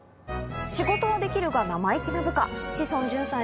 仕事はできるがナマイキな部下志尊淳さん